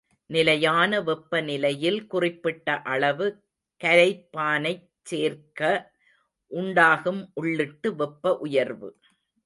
நிலையான வெப்பநிலையில் குறிப்பிட்ட அளவு கரைப்பானைச் சேர்க்க உண்டாகும் உள்ளிட்டு வெப்ப உயர்வு.